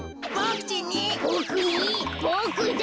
ボクだ！